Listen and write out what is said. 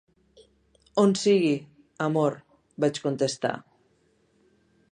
"On sigui, amor", vaig contestar.